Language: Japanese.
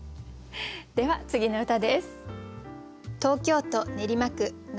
では次の歌です。